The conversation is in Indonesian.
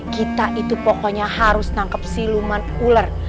kita itu pokoknya harus tangkap siluman ular